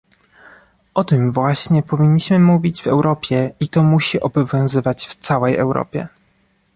O tym właśnie powinniśmy mówić w Europie i to musi obowiązywać w całej Europie